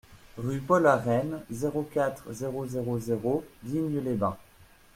Rue Paul Arène, zéro quatre, zéro zéro zéro Digne-les-Bains